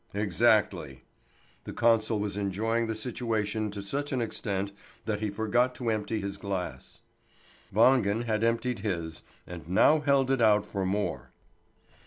"Exactly." The consul was enjoying the situation to such an extent that he forgot to empty his glass. Wangen had emptied his, and now held it out for more.